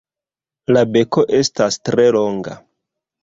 La beko estas tre longa.